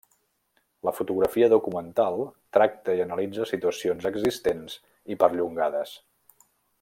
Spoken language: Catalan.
La fotografia documental tracta i analitza situacions existents i perllongades.